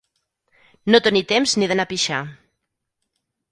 No tenir temps ni d'anar a pixar.